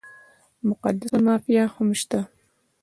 مقدسه مافیا هم شته ده.